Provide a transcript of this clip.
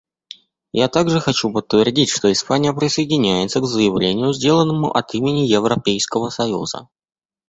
Я также хочу подтвердить, что Испания присоединяется к заявлению, сделанному от имени Европейского союза.